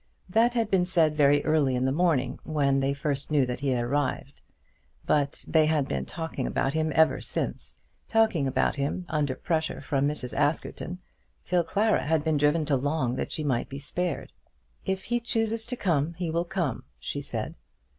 That had been said early in the morning, when they first knew that he had arrived; but they had been talking about him ever since, talking about him under pressure from Mrs. Askerton, till Clara had been driven to long that she might be spared. "If he chooses to come, he will come," she said.